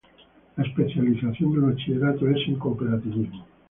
La especialización del bachillerato es en Cooperativismo.